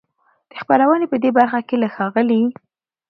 د خپرونې په دې برخه کې له ښاغلي